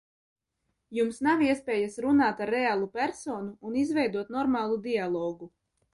Jums nav iespējas runāt ar reālu personu un izveidot normālu dialogu.